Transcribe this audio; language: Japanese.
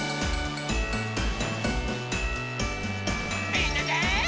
みんなで。